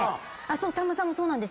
さんまさんもそうです。